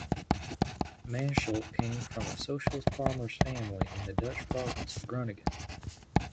Mansholt came from a socialist farmer's family in the Dutch province of Groningen.